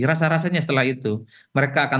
rasa rasanya setelah itu mereka akan